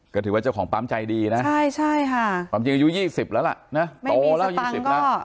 ก็ถือว่าเจ้าของปั๊มใจดีนะใช่ค่ะความจริงอายุ๒๐แล้วล่ะนะโตแล้ว๒๐แล้ว